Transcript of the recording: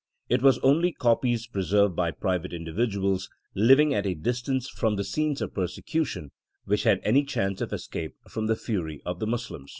It was only copies preserved by private individuals, living at a distance from the scenes of persecution, which had any chance of escape from the fury of the Moslems.